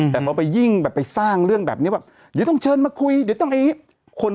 แต่พอไปยิ่งแบบไปสร้างเรื่องแบบนี้แบบเดี๋ยวต้องเชิญมาคุยเดี๋ยวต้องอันนี้คน